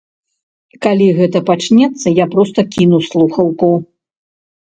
Калі гэта пачнецца, я проста кіну слухаўку.